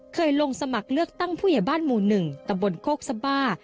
เคยลงสมัครเลือกตั้งผู้ใหญ่บ้านหมู่๑ตำบลโคกสบา